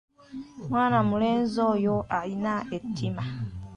Mwana mulenzi oyo alina ettima.